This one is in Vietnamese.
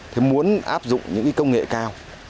thì muốn áp dụng những công nghệ cao